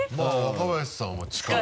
若林さんは近い。